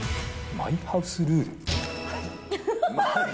マイハウスルール？